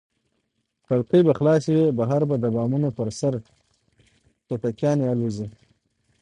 کړکۍ به خلاصې وي، بهر د بامونو پر سر به توتکیانې الوزي.